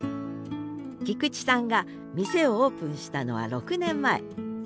菊地さんが店をオープンしたのは６年前。